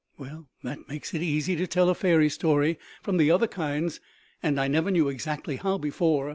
"Well, that makes it easy to tell a fairy story from the other kinds, and I never knew exactly how before.